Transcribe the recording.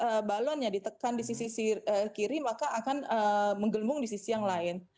kalau balonnya ditekan di sisi kiri maka akan menggelembung di sisi yang lain